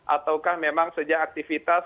ataukah memang sejak aktivitas